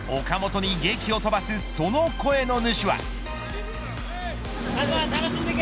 岡本にげきを飛ばすその声の主は。